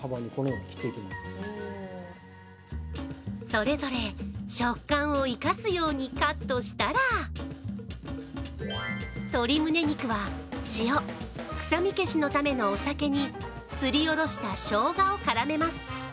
それぞれ食感を生かすようにカットしたら鶏むね肉は、塩、臭み消しのためのお酒にすり下ろしたしょうがを絡めます。